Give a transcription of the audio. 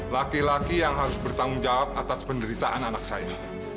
laki laki yang harus bertanggung jawab atas penderitaan anak saya